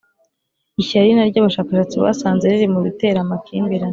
ishyari na ryo abashakashatsi basanze riri mu bitera amakimbirane.